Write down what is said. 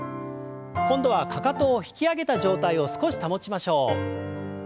今度はかかとを引き上げた状態を少し保ちましょう。